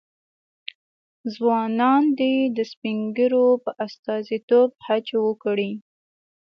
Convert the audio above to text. ځوانان دې د سپین ږیرو په استازیتوب حج وکړي.